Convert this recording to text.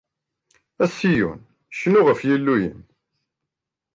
A Ṣiyun, cnu ɣef Yillu-im!